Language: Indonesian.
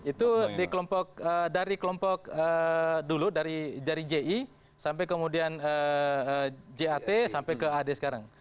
itu dari kelompok dulu dari ji sampai kemudian jat sampai ke ad sekarang